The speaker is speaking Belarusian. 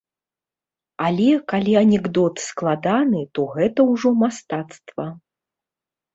Але, калі анекдот складаны, то гэта ўжо мастацтва.